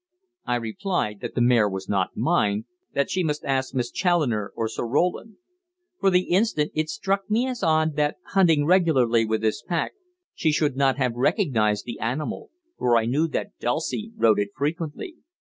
I replied that the mare was not mine, that she must ask Miss Challoner or Sir Roland. For the instant it struck me as odd that, hunting regularly with this pack, she should not have recognized the animal, for I knew that Dulcie rode it frequently.